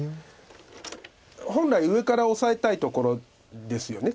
本来上からオサえたいところですよね